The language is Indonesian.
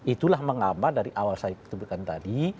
itulah mengapa dari awal saya sebutkan tadi